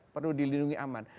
perlu dilindungi aman